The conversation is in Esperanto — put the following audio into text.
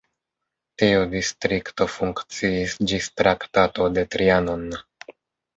Tiu distrikto funkciis ĝis Traktato de Trianon.